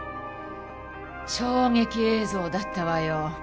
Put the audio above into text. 衝撃映像だったわよ。